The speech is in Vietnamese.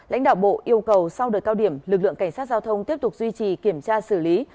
lãnh đạo bộ yêu cầu sau đợt cao điểm lực lượng cảnh sát giao thông tiếp tục duy trì kiểm tra xử lý